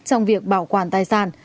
trong việc bảo quản tài sản